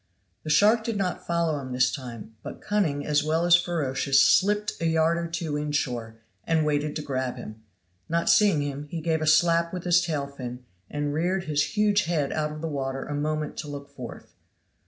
The shark did not follow him this time, but cunning as well as ferocious slipped a yard or two inshore, and waited to grab him; not seeing him, he gave a slap with his tail fin, and reared his huge head out of water a moment to look forth.